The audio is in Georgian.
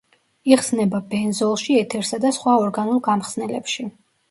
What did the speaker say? იხსნება ბენზოლში, ეთერსა და სხვა ორგანულ გამხსნელებში.